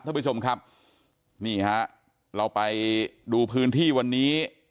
ท่านผู้ชมครับนี่ฮะเราไปดูพื้นที่วันนี้